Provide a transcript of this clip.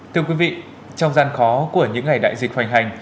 thưa quý vị trong gian khó của những ngày đại dịch hoành hành